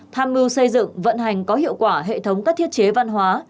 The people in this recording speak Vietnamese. tham mưu xây dựng vận hành có hiệu quả hệ thống các thiết chế văn hóa